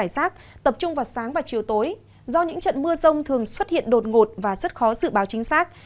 do những trận mưa rông thường xuất hiện đột ngột và rất khó dự báo chính xác